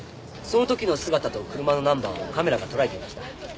その時の姿と車のナンバーをカメラがとらえていました。